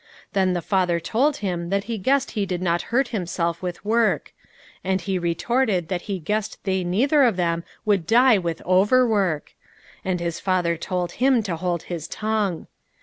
Then his father told him that he guessed he did not hurt himself with work ; and he retorted that he guessed they neither of them would die with over work ; and his father told him to hold his tongue.